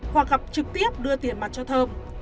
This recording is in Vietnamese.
hoặc gặp trực tiếp đưa tiền mặt cho thơm